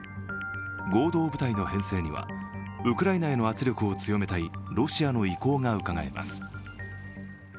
合同部隊の編成にはウクライナへの圧力を強めたいロシアの意向がうかがえます。